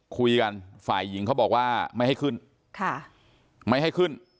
คุยกันฝ่ายหญิงเขาบอกว่าไม่ให้ขึ้นไม่ให้ขึ้น